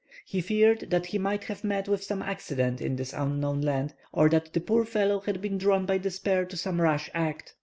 He feared that he might have met with some accident in this unknown land, or that the poor fellow had been drawn by despair to some rash act.